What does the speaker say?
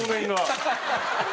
ハハハハ！